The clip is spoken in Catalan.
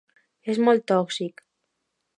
És molt tòxic.